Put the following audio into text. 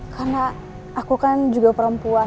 karena aku kan juga perempuan